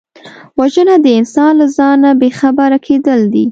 وژنه د انسان له ځانه بېخبره کېدل دي